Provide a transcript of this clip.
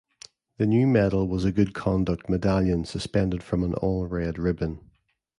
The new medal was a Good Conduct medallion suspended from an all red ribbon.